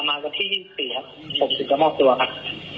ประมาณวันที่๒๐ปีครับผมจะมอบตัวครับ